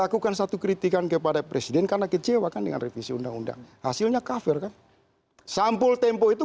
kepadanya presiden karena kecewa kan dengan revisi undang undang hasilnya kafir kan sampul tempo itu